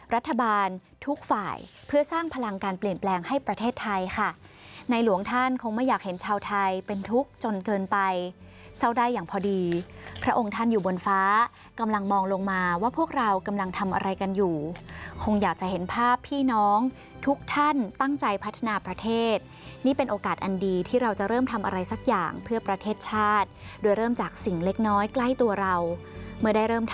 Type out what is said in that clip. รัฐบาลทุกฝ่ายเพื่อสร้างพลังการเปลี่ยนแปลงให้ประเทศไทยค่ะในหลวงท่านคงไม่อยากเห็นชาวไทยเป็นทุกข์จนเกินไปเศร้าใดอย่างพอดีพระองค์ท่านอยู่บนฟ้ากำลังมองลงมาว่าพวกเรากำลังทำอะไรกันอยู่คงอยากจะเห็นภาพพี่น้องทุกท่านตั้งใจพัฒนาประเทศนี่เป็นโอกาสอันดีที่เราจะเริ่มทำอะไร